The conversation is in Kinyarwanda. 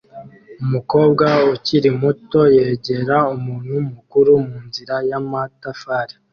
Umukobwa ukiri muto yegera umuntu mukuru munzira y'amatafari